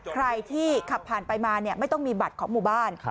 ใครที่ขับผ่านไปมาไม่ต้องมีบัตรของหมู่บ้าน